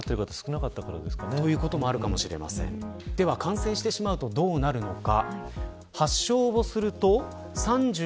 感染してしまうとどうなるのか。